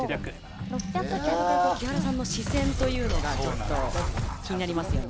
木原さんの視線というのがちょっと気になりますね。